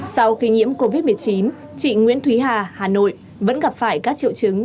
sau kỷ niệm covid một mươi chín chị nguyễn thúy hà hà nội vẫn gặp phải các triệu chứng